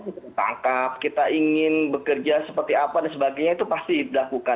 kita tangkap kita ingin bekerja seperti apa dan sebagainya itu pasti dilakukan